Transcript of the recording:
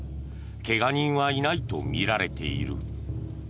怪我人はいないとみられている。